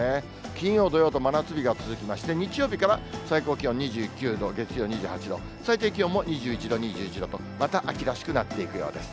金曜、土曜と真夏日が続きまして、日曜日から最高気温２９度、月曜２８度、最低気温も２１度、２１度と、また秋らしくなっていくようです。